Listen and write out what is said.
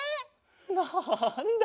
なんだ！